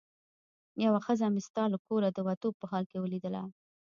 یوه ښځه مې ستا له کوره د وتو په حال کې ولیدله.